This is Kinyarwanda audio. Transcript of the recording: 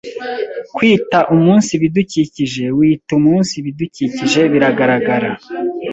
Kwita umunsi bidukikije wita umunsi bidukikije Biragaragara